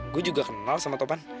gue juga kenal sama topan